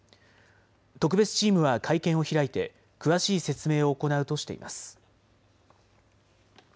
特別チームは会見を開いて詳しい説明を行うとしています。